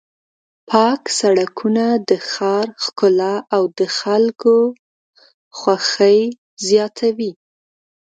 پاک سړکونه د ښار ښکلا او د خلکو خوښي زیاتوي.